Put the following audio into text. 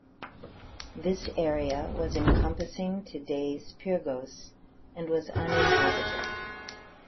This area was encompassing today's Pyrgos and was uninhabited.